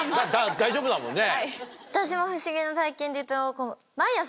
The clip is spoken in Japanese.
大丈夫だもんね。